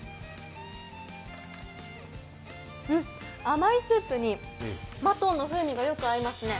甘いスープにマトンの風味がよく合いますね。